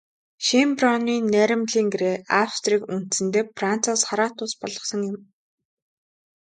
Шёнбрунны найрамдлын гэрээ Австрийг үндсэндээ Францаас хараат улс болгосон юм.